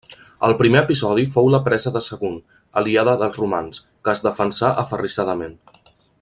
El primer episodi fou la presa de Sagunt, aliada dels romans, que es defensà aferrissadament.